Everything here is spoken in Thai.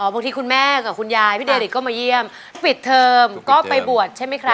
คุณแม่กับคุณยายพี่เดริสก็มาเยี่ยมปิดเทอมก็ไปบวชใช่ไหมครับ